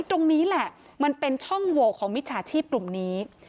ตรงนี้แหละมันเป็นช่องโหวของมิจฉาชีพกลุ่มนี้